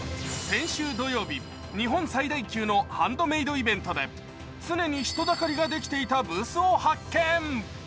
先週土曜日、日本最大級のハンドメードイベントで常に人だかりができていたブースを発見。